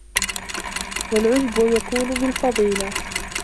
وَالْعُجْبَ يَكُونُ بِالْفَضِيلَةِ